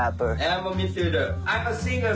นี่คืออะไรไง